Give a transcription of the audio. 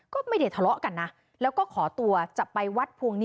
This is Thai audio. ก็ไม่ได้ทะเลาะกันนะแล้วก็ขอตัวจะไปวัดพวงหนี้